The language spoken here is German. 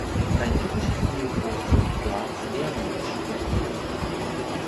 Ein typisches Biotop sind Gras-Wermut-Steppen.